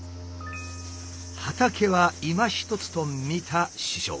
畑はいまひとつとみた師匠。